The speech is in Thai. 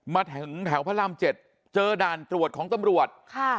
มาถึงแถวพระราม๗เจอด่านตรวจของตำรวจ